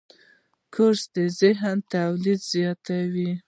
کورس د ذهن تولید زیاتوي.